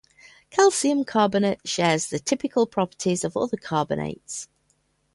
Calcium carbonate shares the typical properties of other carbonates.